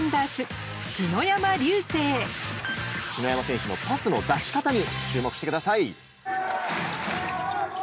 篠山選手のパスの出し方に注目してください。